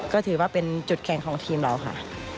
ก็ถือว่าเป็นจุดแข่งของทีมเราค่ะ